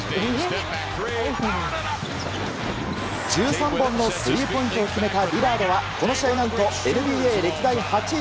１３本のスリーポイントを決めたリラードはこの試合何とＮＢＡ歴代８位